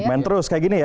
main terus kayak gini ya